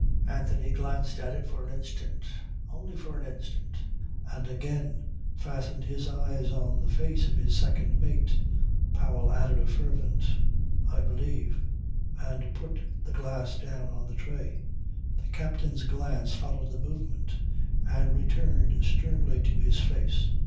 Anthony glanced at it for an instant, only for an instant, and again fastened his eyes on the face of his second mate. Powell added a fervent "I believe" and put the glass down on the tray. The captain's glance followed the movement and returned sternly to his face.